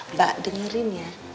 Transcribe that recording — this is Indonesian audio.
mbak dengerin ya